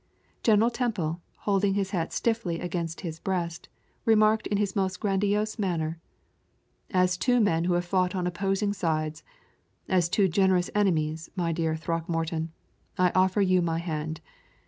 General Temple, holding his hat stiffly against his breast, remarked in his most grandiose manner: "As two men who have fought on opposing sides as two generous enemies, my dear Throckmorton I offer you my hand.